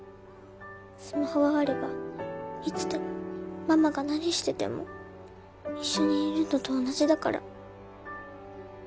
スマホがあればいつでもママが何してても一緒にいるのと同じだから。